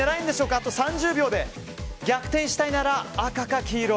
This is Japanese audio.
あと３０秒で逆転したいなら赤か黄色。